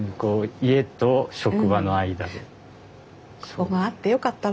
ここがあってよかったわ。